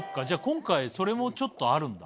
今回それもちょっとあるんだ。